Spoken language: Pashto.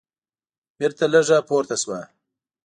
بېرته لږه پورته شوه.